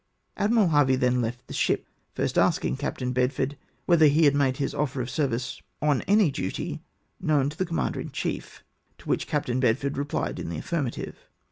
Admiral Harvey then left the ship, first asking Captain Bedford " whether he had made his offer of service on any duty known to the commander in chief?" To which Captain Bedford rephed in the affirmative.